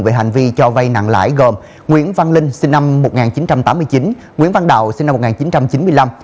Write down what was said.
về hành vi cho vay nặng lãi gồm nguyễn văn linh sinh năm một nghìn chín trăm tám mươi chín nguyễn văn đạo sinh năm một nghìn chín trăm chín mươi năm